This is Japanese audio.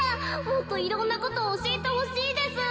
もっといろんなことおしえてほしいです。